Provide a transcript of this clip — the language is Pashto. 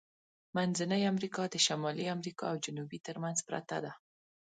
منځنۍ امریکا د شمالی امریکا او جنوبي ترمنځ پرته ده.